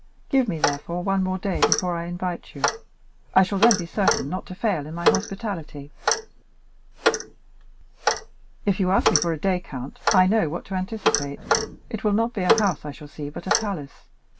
Give me, therefore, one more day before I invite you; I shall then be certain not to fail in my hospitality." "If you ask me for a day, count, I know what to anticipate; it will not be a house I shall see, but a palace.